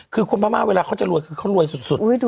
คือคนพม่าเวลาเขาจะรวยคือเขารวยสุด